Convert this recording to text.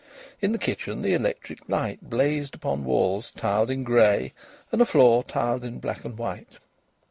In the kitchen the electric light blazed upon walls tiled in grey and a floor tiled in black and white.